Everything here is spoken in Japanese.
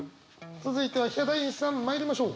続いてはヒャダインさんまいりましょう。